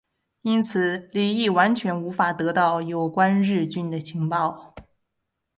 因此李镒完全无法得到有关日军的情报。